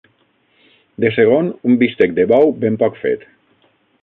De segon: un bistec de bou ben poc fet.